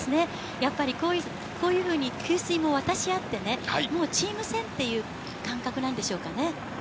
やっぱりこういうふうに給水も渡し合ってね、もうチーム戦っていう感覚なんでしょうかね。